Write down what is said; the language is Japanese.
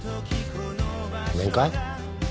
面会？